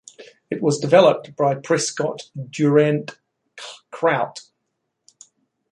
It was developed by Prescott Durand Crout.